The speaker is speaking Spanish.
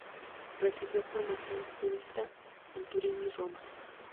Recibió formación de jurista en Turín y Roma.